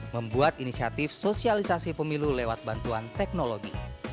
membuat inisiatif sosialisasi pemilu lewat bantuan teknologi